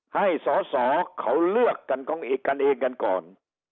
ให้สเขาเลือกกันเองกันก่อน